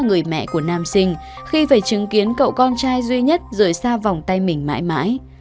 người mẹ của nam sinh khi phải chứng kiến cậu con trai duy nhất rời xa vòng tay mình mãi mãi